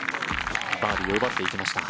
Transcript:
バーディーを奪っていきました。